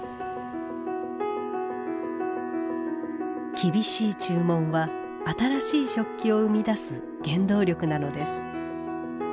厳しい注文は新しい食器を生み出す原動力なのです。